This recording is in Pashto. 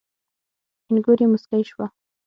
اينږور يې موسکۍ شوه.